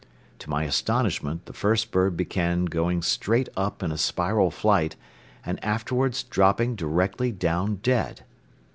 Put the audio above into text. To my astonishment the first bird began going straight up in a spiral flight and afterwards dropped directly down dead.